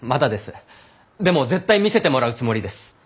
でも絶対見せてもらうつもりです。